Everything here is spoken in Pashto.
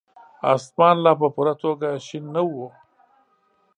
اسمان لا په پوره توګه شين نه وو.